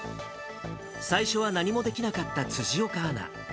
最初は何もできなかった辻岡アナ。